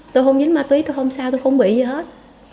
tôi không dính ma túy tôi không sao tôi không bị gì hết